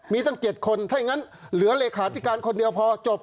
มีตั้ง๗คนถ้าอย่างนั้นเหลือเลขาธิการคนเดียวพอจบ